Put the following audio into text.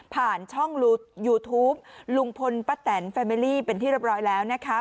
ผ่านช่องยูทูปลุงพลป้าแตนแฟมิลี่เป็นที่เรียบร้อยแล้วนะคะ